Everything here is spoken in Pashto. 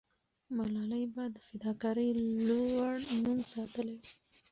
ملالۍ به د فداکارۍ لوړ نوم ساتلې وو.